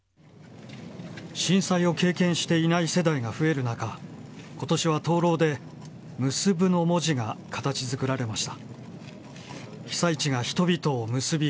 震災を経験していない世代が増える中、ことしは灯籠でむすぶの文字が形づくられました。